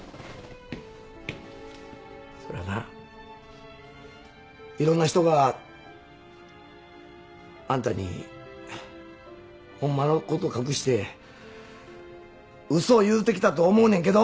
そらないろんな人があんたにホンマのこと隠して嘘を言うてきたと思うねんけど。